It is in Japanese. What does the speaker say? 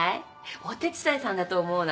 お手伝いさんだと思うな。